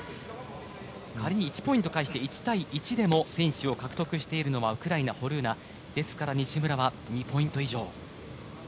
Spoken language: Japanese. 仮に１ポイント返して１対１でも先取を獲得しているのはウクライナ、ホルーナですから西村は２ポイント以上。